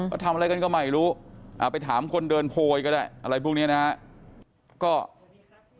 ก็ทำอะไรกันก็ไม่รู้ไปถามคนเดินโพยก็ได้อะไรพวกนี้นะครับ